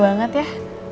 lucu banget ya